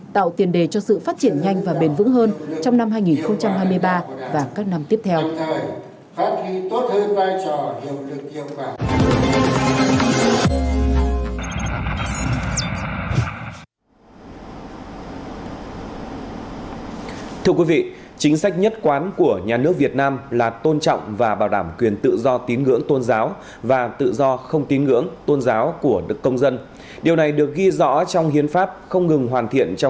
tạo tiền đề cho sự phát triển nhanh và bền vững hơn trong năm hai nghìn hai mươi ba và các năm tiếp theo